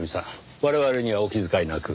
我々にはお気遣いなく。